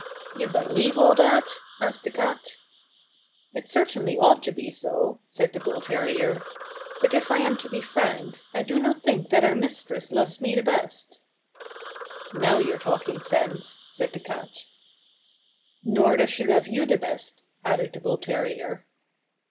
"You believe all that ?" asked the cat. "It certainly ought to be so," said the bull terrier. "But if I am to be frank, I do not think that our mis tress loves me the best." "Now you're talking sense," said the cat. "Nor does she love you the best," added the bull terrier.